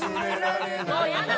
もうやだ。